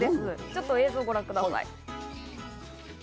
ちょっと映像をご覧ください。